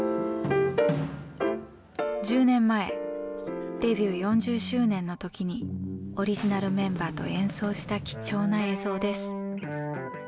１０年前デビュー４０周年の時にオリジナルメンバーと演奏した貴重な映像です。